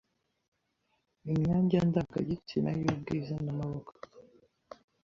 imyanya ndangagitsina yubwiza namaboko